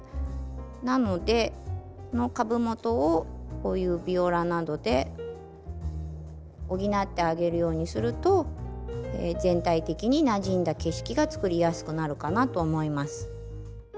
なのでこの株元をこういうビオラなどで補ってあげるようにすると全体的になじんだ景色がつくりやすくなるかなと思います。